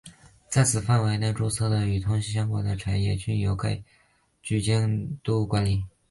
在此范围内注册的与通信相关的产业均由该局监督管理。